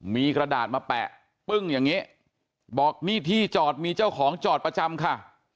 มีกระดาษมาแปะปึ้งอย่างนี้บอกนี่ที่จอดมีเจ้าของจอดประจำค่ะ